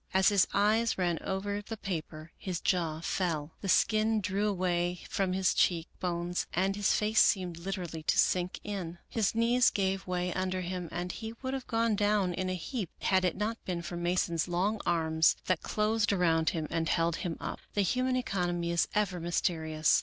As his eyes ran over the paper, his jaw fell. The skin drew away from his cheek bones and his face seemed literally to sink in. His knees gave way under him and he would have gone down in a heap had it not been for Mason's long arms that closed around him and held him up. The human economy is ever mysterious.